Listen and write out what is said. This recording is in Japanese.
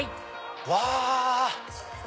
うわ！